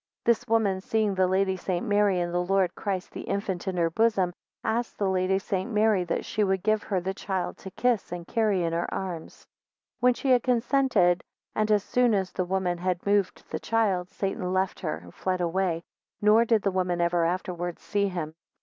13 This woman seeing the Lady St. Mary, and the Lord Christ the infant in her bosom, asked the Lady St. Mary, that she would give her the child to kiss, and carry in her arms. 14 When she had consented, and as soon as the woman had moved the child, Satan left her, and fled away, nor did the woman ever afterwards see him.